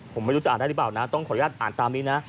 ผมไม่รู้จะอ่านได้หรือเปล่านะต้องขออนุญาตอ่านตามนี้นะ